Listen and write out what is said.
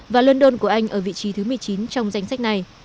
và london của anh ở vị trí thứ một mươi chín trong danh sách này